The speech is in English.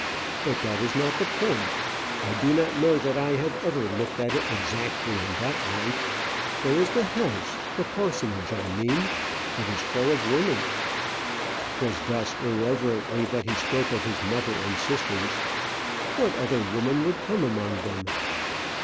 "But that is not the point. I do not know that I have ever looked at it exactly in that light. There is the house, the parsonage I mean. It is full of women" 'twas thus irreverently that he spoke of his mother and sisters "what other woman would come among them?"